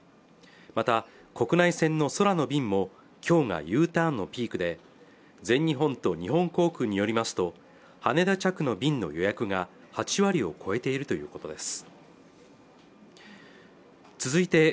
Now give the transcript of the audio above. また国内線の空の便も今日がＵターンのピークで全日本と日本航空によりますと羽田着の便の予約が８割を超えているということです